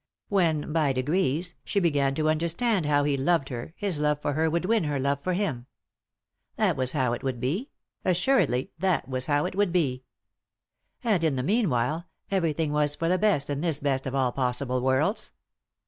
When, by degrees, she began to understand how he loved her his love for her would win her love for him. That was how it would be — assuredly that was how it would be. And, in the meanwhile, everything was for the best in this best of all possible worlds.